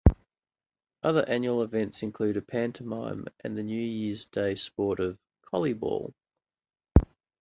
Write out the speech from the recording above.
Other annual events include a pantomime and the New Year's Day sport of "collyball".